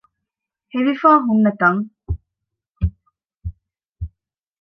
ހެވިފައި ހުންނަ ތަން